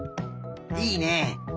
いいね。